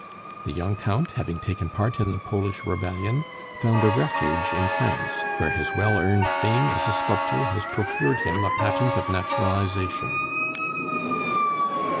The young Count, having taken part in the Polish rebellion, found a refuge in France, where his well earned fame as a sculptor has procured him a patent of naturalization."